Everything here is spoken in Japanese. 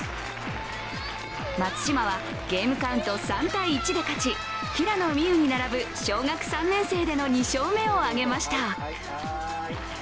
松島は、ゲームカウント３−１で勝ち平野美宇に並ぶ小学３年生での２勝目を挙げました。